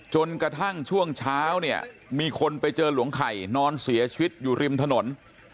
จนกระทั่งช่วงเช้าเนี่ยมีคนไปเจอหลวงไข่นอนเสียชีวิตอยู่ริมถนน